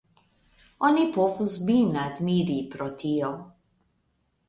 Oni povus min admiri pro tio.